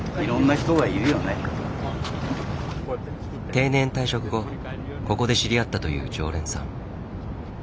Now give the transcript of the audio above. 定年退職後ここで知り合ったという常連さん。